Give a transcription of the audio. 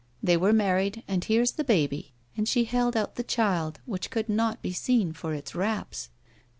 They were married and here's the baby," and she held out the child which could not be seen for its wraps.